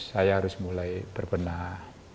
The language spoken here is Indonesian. saya harus mulai berbenah